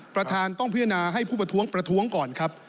ประธานต้องพิจารณาให้ผู้ประท้วงประท้วงก่อนครับ